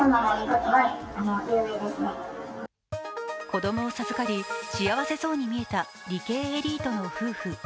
子供を授かり、幸せそうに見えた理系エリートの夫婦。